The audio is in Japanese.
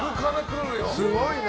すごいね。